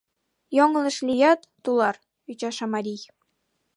— Йоҥылыш лият, тулар, — ӱчаша марий.